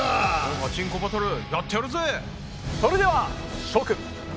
ガチンコバトルやってやるぜ！